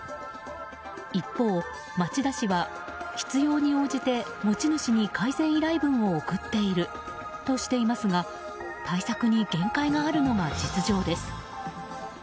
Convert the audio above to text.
一方、町田市は必要に応じて、持ち主に改善依頼文を送っているとしていますが対策に限界があるのが実情です。